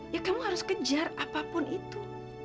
ya kamu harus kejar apapun itu